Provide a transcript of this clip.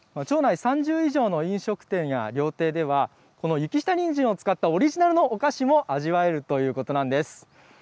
町内３０以上の飲食店や料亭では、この雪下にんじんを使ったオリジナルのお菓子も味わえるということなんです。